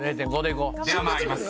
［では参ります。